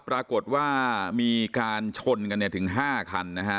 ปรากฎว่ามีการชนถึง๕คันนะฮะ